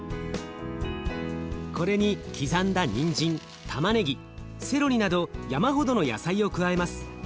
これに刻んだにんじんたまねぎセロリなど山ほどの野菜を加えます。